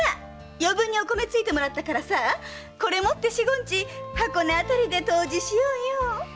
余分にお米搗いてもらったからさあこれ持って四五日箱根あたりで湯治しようよ。